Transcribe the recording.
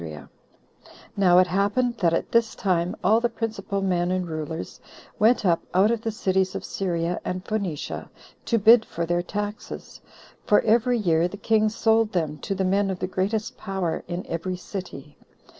Now it happened that at this time all the principal men and rulers went up out of the cities of Syria and Phoenicia, to bid for their taxes; for every year the king sold them to the men of the greatest power in every city.